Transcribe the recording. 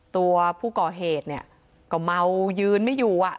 ตัวผู้ก่อเหตุเนี่ยก็เมายืนไม่อยู่อ่ะ